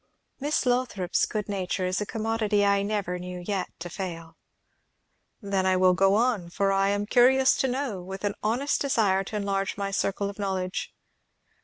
"Miss Lothrop's good nature is a commodity I never knew yet to fail." "Then I will go on, for I am curious to know, with an honest desire to enlarge my circle of knowledge.